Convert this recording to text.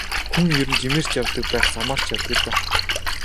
Хүн ер нь жимээр ч явдаг байх, замаар ч явдаг л байх.